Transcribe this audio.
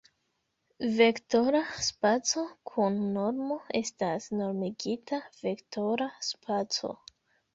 Vektora spaco kun normo estas normigita vektora spaco.